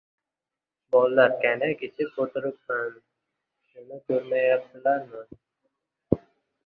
• Aqllining oldida, nodonning orqasida yur.